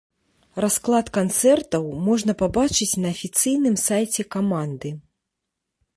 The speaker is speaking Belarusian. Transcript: Расклад канцэртаў можна пабачыць на афіцыйным сайце каманды.